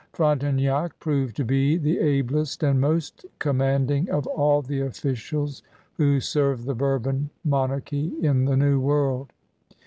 Frontenac proved to be the ablest and most commanding of all the officials who served the Bourbon mon archy in the New World.